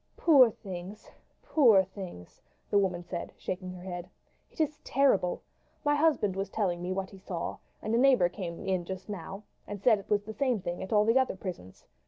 "Poor things! Poor things!" the woman said, shaking her head. "It is terrible! My husband was telling me what he saw; and a neighbour came in just now and said it was the same thing at all the other prisons.